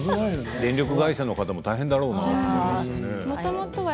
電力会社の方も大変だろうなと思います。